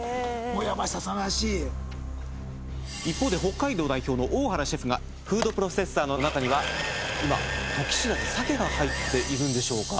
もう山下さんらしい一方で北海道代表の大原シェフがフードプロセッサーの中には今時不知鮭が入っているんでしょうか？